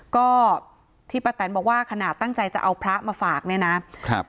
ก็ที่ป้าแตนบอกว่าขนาดตั้งใจจะเอาพระมาฝากเนี่ยนะครับ